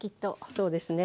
そうですね